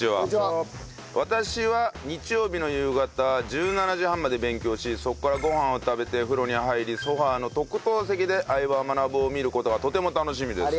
私は日曜日の夕方１７時半まで勉強しそこからご飯を食べてお風呂に入りソファの特等席で『相葉マナブ』を見る事がとても楽しみです。